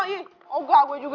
ih oh nggak gue juga